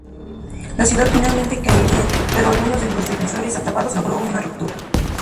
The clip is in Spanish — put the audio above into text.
La ciudad finalmente caería, pero algunos de los defensores atrapados logró una ruptura.